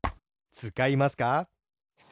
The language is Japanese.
つかいますか？